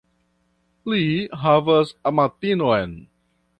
Li havas amatinon.